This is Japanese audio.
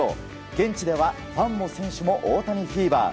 現地ではファンも選手も大谷フィーバー。